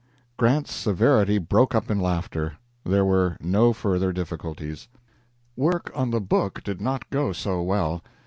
Grant's severity broke up in laughter. There were no further difficulties. Work on the book did not go so well.